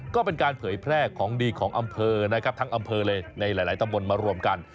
ก็เป็นการเผยแพร่ของดีของอำเภอนะครับทั้งอำเภอเลยในหลายตำบลมารวมกัน